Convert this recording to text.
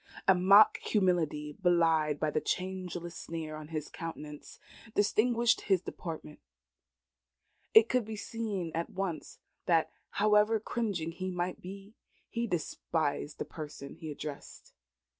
A mock humility, belied by the changeless sneer upon his countenance, distinguished his deportment. It could be seen at once that, however cringing he might be, he despised the person he addressed.